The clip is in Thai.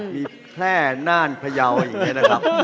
มีแพร่น่านพยาวอย่างนี้นะครับ